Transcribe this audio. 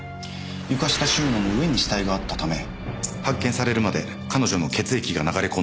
床下収納の上に死体があったため発見されるまで彼女の血液が流れ込んだんでしょう。